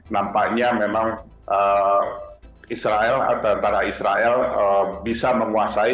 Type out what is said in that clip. nampaknya memang israel atau antara israel bisa menguasai